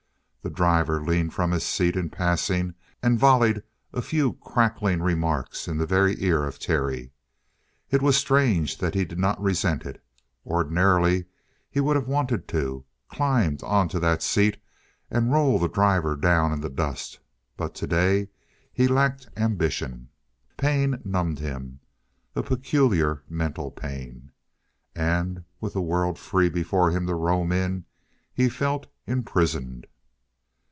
The driver leaned from his seat in passing and volleyed a few crackling remarks in the very ear of Terry. It was strange that he did not resent it. Ordinarily he would have wanted to, climb onto that seat and roll the driver down in the dust, but today he lacked ambition. Pain numbed him, a peculiar mental pain. And, with the world free before him to roam in, he felt imprisoned.